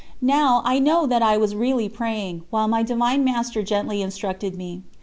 _... Now, I know that I was really praying, while my Divine Master gently instructed me.